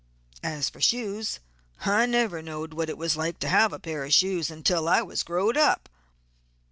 As for shoes I never knowed what it was to have a pair of shoes until I was grown up.